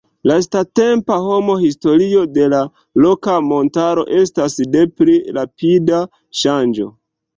Lastatempa homa historio de la Roka Montaro estas de pli rapida ŝanĝo.